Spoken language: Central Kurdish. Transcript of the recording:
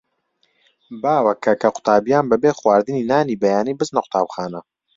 باوە کە کە قوتابییان بەبێ خواردنی نانی بەیانی بچنە قوتابخانە.